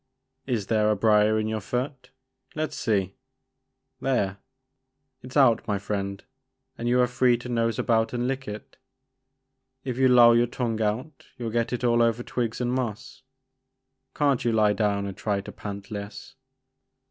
Is there a brier in your foot? — let 's see, — there ! it 's out my friend and you are free to nose about and lick it. If you loll your tongue out you'll get it all over twigs and moss. Can't you lie down and try to pant less?